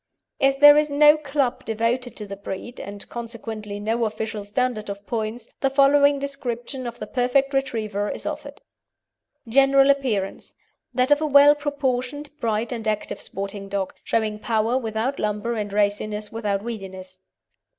As there is no club devoted to the breed, and consequently no official standard of points, the following description of the perfect Retriever is offered: GENERAL APPEARANCE That of a well proportioned bright and active sporting dog, showing power without lumber and raciness without weediness.